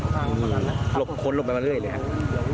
หลบคนลบไปมันเรื่อยเลยครับ